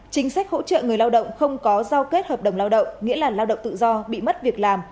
chính sách hỗ trợ người lao động không có giao kết hợp đồng lao động nghĩa là lao động tự do bị mất việc làm